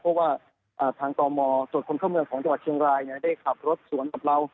เพราะว่าทางต่อมตรวจคนเข้าเมืองของจังหวัดเชียงรายได้ขับรถสวนกับเรา